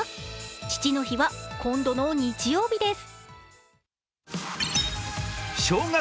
父の日は今度の日曜日です。